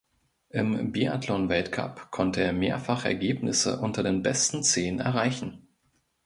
Im Biathlon-Weltcup konnte er mehrfach Ergebnisse unter den besten Zehn erreichen.